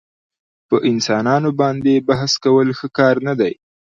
پر انسانانو باندي بحث کول ښه کار نه دئ.